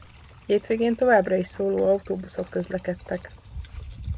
Hétvégén továbbra is szóló autóbuszok közlekedtek.